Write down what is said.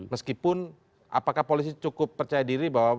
meskipun apakah polisi cukup percaya diri bahwa